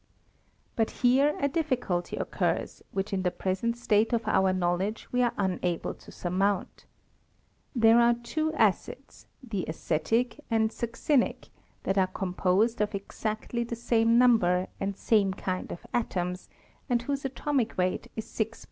But here a difficulty occurs, which in the present state of our knowledge, we are unable to surmount There are two acids, the acetic and succinic, that are composed of exactly the same number, and same kind of atoms, and whose atomic weight is 6 25.